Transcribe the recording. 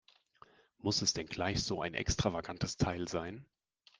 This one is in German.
Muss es denn gleich so ein extravagantes Teil sein?